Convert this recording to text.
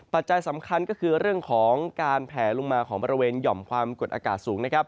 ปัจจัยสำคัญก็คือเรื่องของการแผลลงมาของบริเวณหย่อมความกดอากาศสูงนะครับ